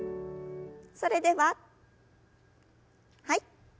それでははい。